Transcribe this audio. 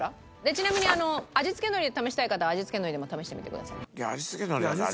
ちなみにあの味付け海苔試したい方は味付け海苔でも試してみてください。